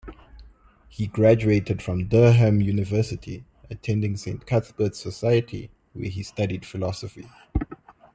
He graduated from Durham University, attending Saint Cuthbert's Society, where he studied Philosophy.